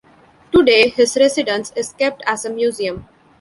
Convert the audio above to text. Today, his residence is kept as a museum.